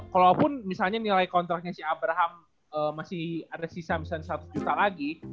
kalaupun misalnya nilai kontraknya si abraham masih ada sisa misalnya seratus juta lagi